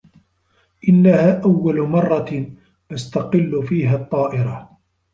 إنّها أوّل مرّة أستقلّ فيها الطّائرة.